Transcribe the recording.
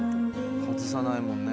外さないもんね。